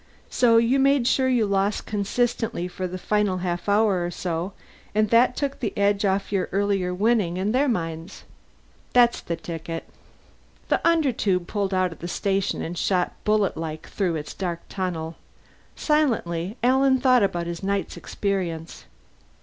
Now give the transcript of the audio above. So you made sure you lost consistently for the final half hour or so, and that took the edge off your earlier winning in their minds." "That's the ticket!" The Undertube pulled out of the station and shot bullet like through its dark tunnel. Silently, Alan thought about his night's experience.